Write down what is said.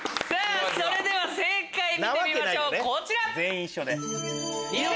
それでは正解見てみましょうこちら！